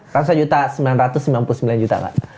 seratus juta sembilan ratus sembilan puluh sembilan juta pak